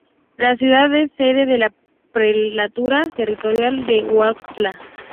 La ciudad es sede de la Prelatura territorial de Huautla.